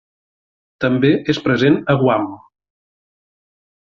També és present a Guam.